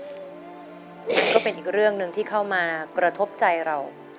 มันก็เป็นอีกเรื่องหนึ่งที่เข้ามากระทบใจเรา